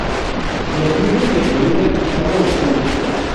Los frutos que produce son comestibles.